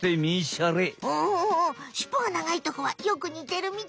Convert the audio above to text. しっぽが長いとこはよくにてるみたい。ね！